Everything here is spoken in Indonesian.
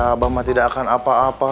abah mah tidak akan apa apa